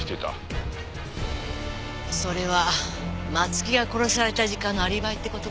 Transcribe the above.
それは松木が殺された時間のアリバイって事かしら？